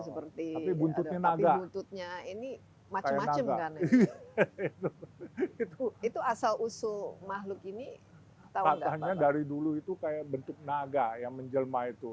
seperti buntutnya ini itu asal usul makhluk ini dari dulu itu kayak bentuk naga yang menjelma itu